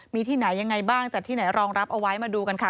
มีที่ไหนยังไงบ้างจัดที่ไหนรองรับเอาไว้มาดูกันค่ะ